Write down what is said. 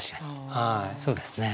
そうですね。